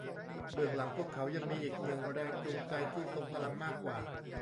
เบื้องหลังพวกเขายังมีอีกหนึ่งแรงจูงใจที่ทรงพลังมากกว่า